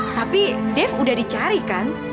tapi dave udah dicari kan